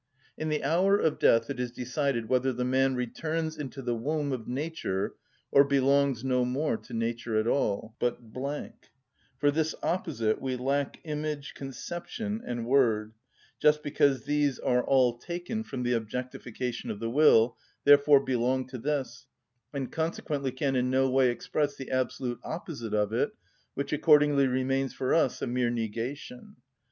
In the hour of death it is decided whether the man returns into the womb of nature or belongs no more to nature at all, but ——————: for this opposite we lack image, conception, and word, just because these are all taken from the objectification of the will, therefore belong to this, and consequently can in no way express the absolute opposite of it, which accordingly remains for us a mere negation.